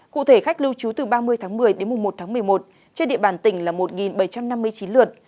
cụ thể khách lưu trú từ ba mươi tháng một mươi đến một tháng một mươi một trên địa bàn tỉnh là một bảy trăm năm mươi chín lượt